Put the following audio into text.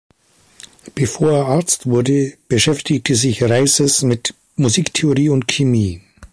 Bevor er Arzt wurde, beschäftigte sich Rhazes mit Musiktheorie und Chemie.